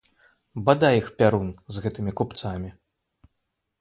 Бадай іх пярун, з гэтымі купцамі!